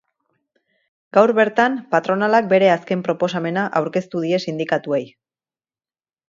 Gaur bertan, patronalak bere azken proposamena aurkeztu die sindikatuei.